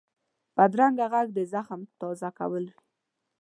بدرنګه غږ د زخم تازه کول وي